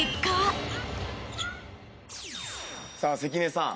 さあ関根さん。